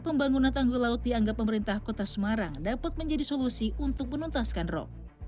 pembangunan tanggul laut dianggap pemerintah kota semarang dapat menjadi solusi untuk menuntaskan rop